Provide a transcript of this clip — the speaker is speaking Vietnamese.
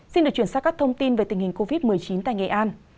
xin được chuyển sang các thông tin về tình hình covid một mươi chín tại nghệ an